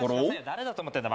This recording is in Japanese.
誰だと思ってんだ？